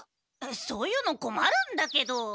そういうのこまるんだけど。